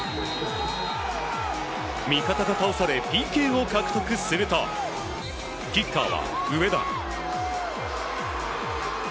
味方が倒されＰＫを獲得するとキッカーは上田。